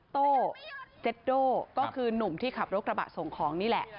โต้เจ็ตโด่ก็คือหนุ่มที่ขับรถกระบะส่งของนี่แหละ